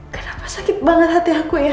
kenapa sakit banget hati aku ya